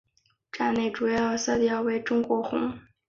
站内主要色调为中国红。